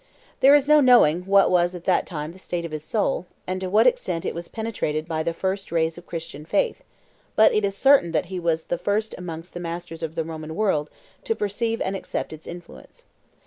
There is no knowing what was at that time the state of his soul, and to what extent it was penetrated by the first rays of Christian faith; but it is certain that he was the first amongst the masters of the Roman world to perceive and accept its influence.